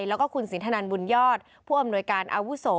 แล้วก็คุณสินทนันบุญยอดผู้อำนวยการอาวุโส